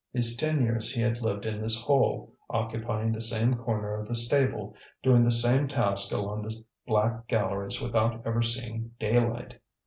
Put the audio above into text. These ten years he had lived in this hole, occupying the same corner of the stable, doing the same task along the black galleries without ever seeing daylight.